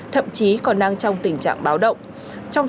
thậm chí còn đang trong tình trạng báo động